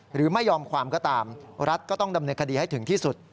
หรือไม่ยอมความก็ตามรัฐก็ต้องดำเนินคดีให้ถึงที่สุด